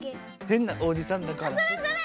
「変なおじさんだから」